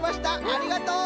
ありがとう！